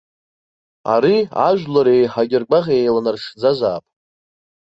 Ари ажәлар еиҳагьы ргәаӷ еиланаршӡазаап.